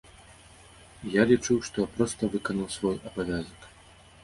І я лічу, што я проста выканаў свой абавязак.